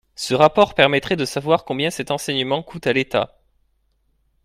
Ce rapport permettrait de savoir combien cet enseignement coûte à l’État.